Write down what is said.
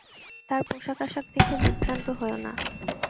তাঁর পোশাক-আশাক দেখে বিভ্রান্ত হয়ে না।